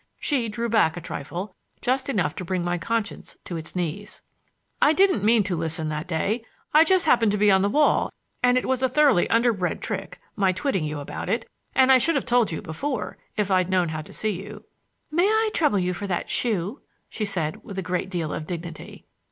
She drew back a trifle, just enough to bring my conscience to its knees. "I didn't mean to listen that day. I just happened to be on the wall and it was a thoroughly underbred trick—my twitting you about it—and I should have told you before if I'd known how to see you—" "May I trouble you for that shoe?" she said with a great deal of dignity.